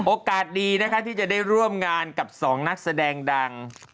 โอกาสดีนะคะที่จะได้ร่วมงานกับสองนักแสดงดัง